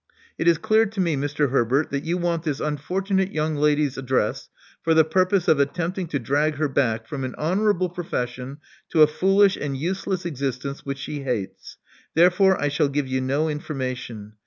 It is clear to me, Mr. Herbert, that you want this unfortunate' young lady's address for the purpose of attempting to drag her back from an honorable profession to a foolish and useless existence which she hates. Therefore I shall give you no information.